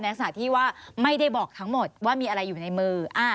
ลักษณะที่ว่าไม่ได้บอกทั้งหมดว่ามีอะไรอยู่ในมือ